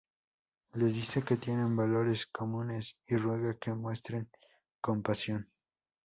Les dice que tienen valores comunes y ruega que muestren compasión.